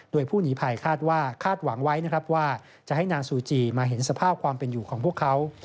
โดยผู้หนีภัยคาดว่าคาดหวังไว้นะครับว่าจะให้นางซูจีมาเห็นสภาพความเป็นอยู่ของพวกเขา